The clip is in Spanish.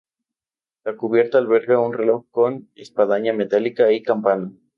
La cubierta alberga un reloj con espadaña metálica y campana.